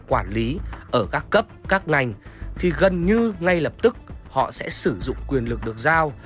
quản lý ở các cấp các ngành thì gần như ngay lập tức họ sẽ sử dụng quyền lực được giao